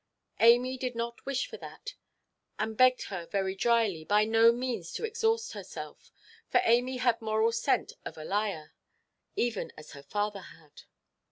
Amy did not wish for that, and begged her, very dryly, by no means to exhaust herself; for Amy had moral scent of a liar, even as her father had.